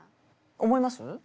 思います？